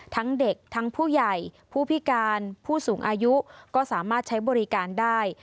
ทั้งเด็กทั้งผู้ใหญ่ผู้พิการผู้สูงอายุก็สามารถใช้บริการได้